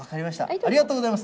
ありがとうございます。